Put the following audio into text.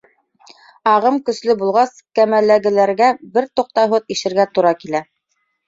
Ағым көслө булғас, кәмәләгеләргә бер туҡтауһыҙ ишергә тура килә.